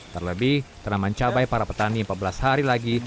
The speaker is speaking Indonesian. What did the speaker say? terlebih tanaman cabai para petani empat belas hari lagi